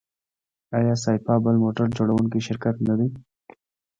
آیا سایپا بل موټر جوړوونکی شرکت نه دی؟